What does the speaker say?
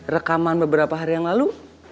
rekaman beberapa hari yang lalu